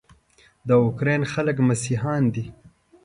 د اوکراین خلک مسیحیان دي.